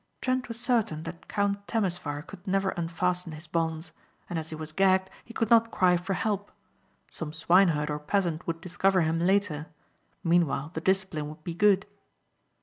Trent was certain that Count Temesvar could never unfasten his bonds. And as he was gagged he could not cry for help. Some swineherd or peasant would discover him later. Meanwhile the discipline would be good.